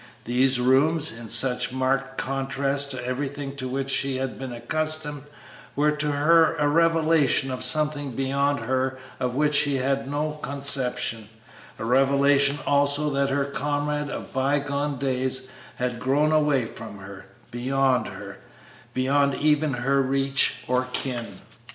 These rooms, in such marked contrast to everything to which she had been accustomed, were to her a revelation of something beyond her of which she had had no conception; a revelation also that her comrade of by gone days had grown away from her, beyond her beyond even her reach or ken.